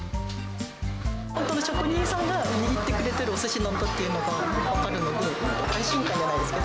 本当の職人さんが握ってくれてるおすしなんだというのが分かるので、安心感じゃないですか。